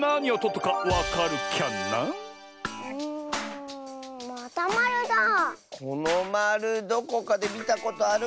このまるどこかでみたことあるきがするッス！